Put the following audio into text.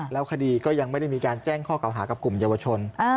แล้วคดีก็ยังไม่ได้มีการแจ้งข้อเก่าหากับกลุ่มเยาวชน